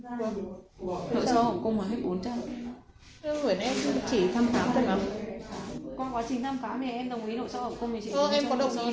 em không đồng ý nội soi mà